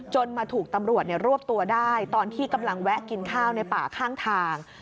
มาถูกตำรวจรวบตัวได้ตอนที่กำลังแวะกินข้าวในป่าข้างทาง